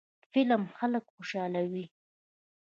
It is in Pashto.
فلم خلک خوشحالوي